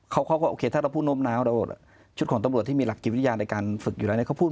เขาก็ว่าโอเคถ้าเราพูดนมน้ำชุดของตำรวจที่มีหลักกิจวิทยาในการฝึกอยู่แล้วเนี่ย